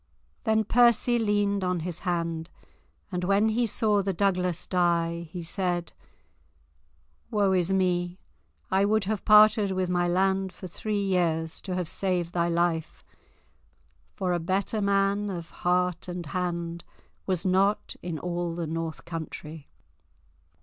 Then Percy leaned on his hand, and when he saw the Douglas die, he said, "Woe is me. I would have parted with my land for three years to have saved thy life, for a better man of heart and hand was not in all the north country."